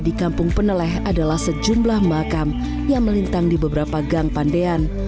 di kampung peneleh adalah sejumlah makam yang melintang di beberapa gang pandean